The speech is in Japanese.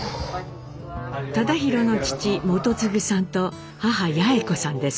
忠宏の父基次さんと母八詠子さんです。